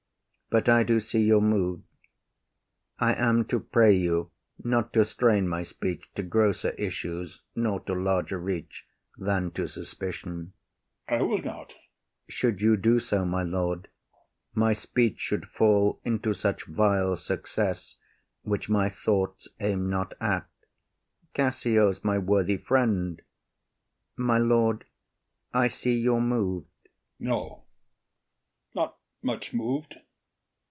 But I do see you’re mov’d. I am to pray you not to strain my speech To grosser issues nor to larger reach Than to suspicion. OTHELLO. I will not. IAGO. Should you do so, my lord, My speech should fall into such vile success Which my thoughts aim’d not. Cassio’s my worthy friend. My lord, I see you’re mov’d. OTHELLO. No, not much mov’d.